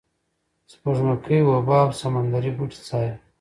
سپوږمکۍ اوبه او سمندري بوټي څاري.